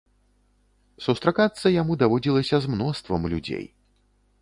Сустракацца яму даводзілася з мноствам людзей.